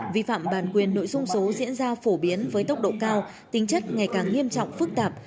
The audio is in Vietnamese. vi phạm bản quyền nội dung số diễn ra phổ biến với tốc độ cao tính chất ngày càng nghiêm trọng phức tạp